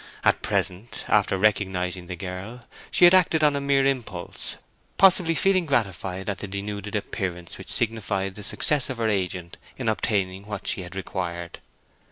At present, after recognizing the girl, she had acted on a mere impulse, possibly feeling gratified at the denuded appearance which signified the success of her agent in obtaining what she had required.